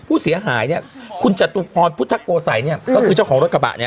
ผู้เสียหายเนี่ยคุณจตุพรพุทธโกสัยเนี่ยก็คือเจ้าของรถกระบะเนี่ย